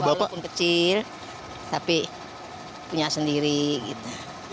walaupun kecil tapi punya sendiri gitu